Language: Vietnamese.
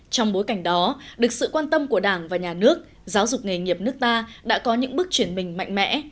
trong bối cảnh đó được sự quan tâm của đảng và nhà nước giáo dục nghề nghiệp nước ta đã có những bước chuyển mình mạnh mẽ